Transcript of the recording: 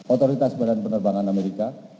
otoritas badan penerbangan amerika